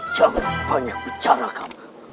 jangan banyak bicara kamu